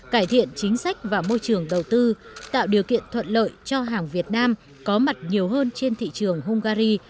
cải thiện chính sách và môi trường đầu tư tạo điều kiện thuận lợi cho hàng việt nam có mặt nhiều hơn trên thị trường hungary